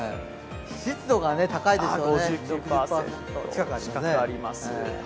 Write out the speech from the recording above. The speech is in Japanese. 湿度が高いですよね、６０％近くあります。